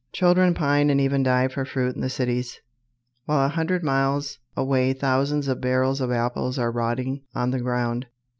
Children pine and even die for fruit in the cities, while a hundred miles away thousands of barrels of apples are rotting on the ground.